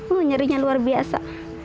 oh nyerinya luar biasa